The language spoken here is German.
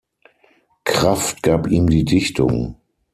Kraft gab ihm die Dichtung.